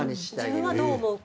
自分はどう思うか。